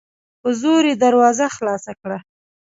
په زور یې دروازه خلاصه کړه